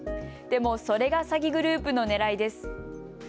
でもそれが詐欺グループのねらいです。